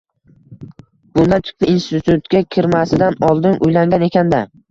Bundan chiqdi, institutga kirmasidan oldin uylangan ekan-da